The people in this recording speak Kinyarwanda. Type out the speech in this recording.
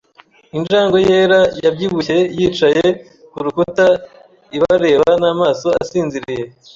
Injangwe yera yabyibushye yicaye kurukuta ibareba n'amaso asinziriye.